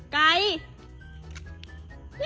ไกล